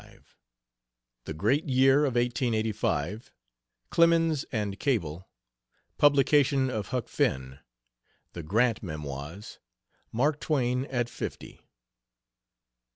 XXV. THE GREAT YEAR OF 1885. CLEMENS AND CABLE. PUBLICATION OF "HUCK FINN." THE GRANT MEMOIRS. MARK TWAIN AT FIFTY.